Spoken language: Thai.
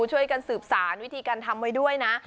ช่วยกันสืบสารวิธีการทำไว้ด้วยนะ